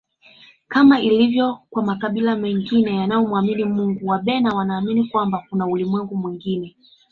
Kama ilivyo kwa makabila mengine yanayo mwamini Mungu Wabena wanaamini kwamba kuna ulimwengu mwingine